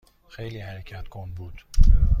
خیلی حرکت کند بود.